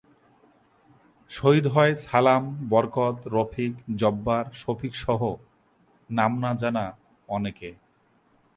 শহিদ হয় সালাম, বরকত, রফিক, জব্বার, শফিকসহ নাম না জানা অনেকে।